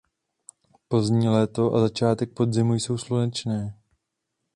Pozdní léto a začátek podzimu jsou slunečné.